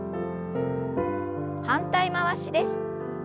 反対回しです。